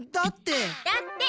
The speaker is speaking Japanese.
だって。